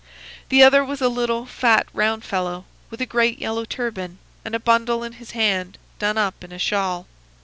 The other was a little, fat, round fellow, with a great yellow turban, and a bundle in his hand, done up in a shawl.